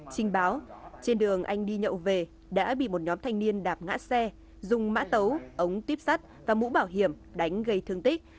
trình báo trên đường anh đi nhậu về đã bị một nhóm thanh niên đạp ngã xe dùng mã tấu ống tuyếp sắt và mũ bảo hiểm đánh gây thương tích